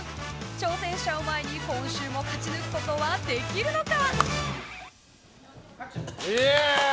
挑戦者を前に今週も勝ち抜くことはできるのか。